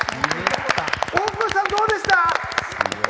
大越さん、どうでした？